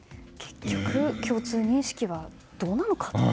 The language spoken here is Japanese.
結局、共通認識はどうなのかと。